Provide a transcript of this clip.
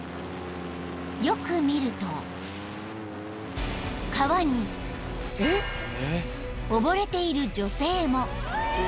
［よく見ると川に溺れている女性も］